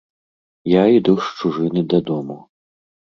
Я іду з чужыны дадому.